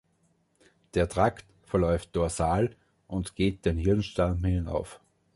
Der Trakt verläuft dorsal und geht den Hirnstamm hinauf.